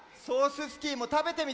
スキーもたべてみて！